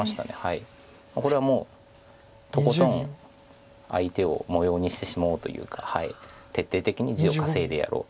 これはもうとことん相手を模様にしてしまおうというか徹底的に地を稼いでやろうと。